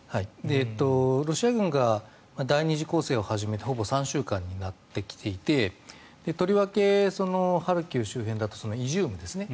ロシア軍が第２次攻勢を始めてほぼ３週間になってきていてとりわけハルキウ周辺だとイジュームですね